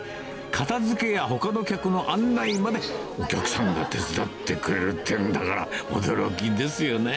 片づけやほかの客の案内まで、お客さんが手伝ってくれるっていうんだから、驚きですよね。